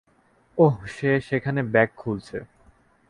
ওহ, সে সেখানে ব্যাগ খুলছে।